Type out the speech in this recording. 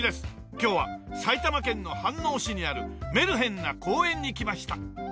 今日は埼玉県の飯能市にあるメルヘンな公園に来ました。